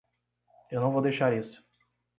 Eu não vou deixar isso.